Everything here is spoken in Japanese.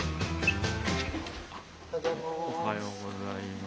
おはようございます。